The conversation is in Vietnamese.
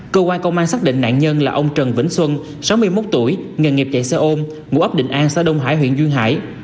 cơ quan công an xác định nạn nhân là ông trần vĩnh xuân sáu mươi một tuổi nghề nghiệp chạy xe ôm ngụ ấp định an xã đông hải huyện duyên hải